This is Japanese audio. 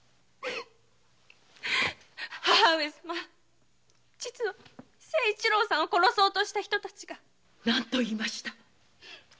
母上様実は清一郎さんを殺そうとした人たちが何と言いました？